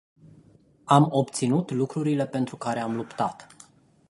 Am obținut lucrurile pentru care am luptat.